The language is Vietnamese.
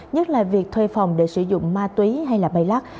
nhất là việc thuê phòng để sử dụng ma túy hay là bay lắc